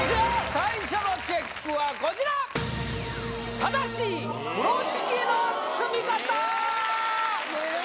最初のチェックはこちら正しい風呂敷の包み方風呂敷？